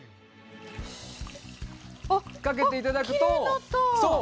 かけていただくとそう！